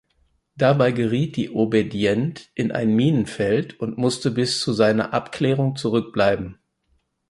Dabei geriet die "Obedient" in ein Minenfeld und musste bis zu seiner Abklärung zurückbleiben.